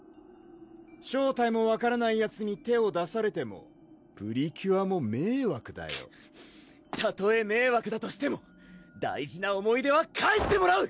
正体も分からないヤツに手を出されてもプリキュアも迷惑だよクッたとえ迷惑だとしても大事な思い出は返してもらう！